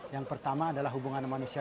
yang pertama adalah hubungan manusia dengan kita